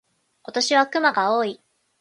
今年は熊が多い。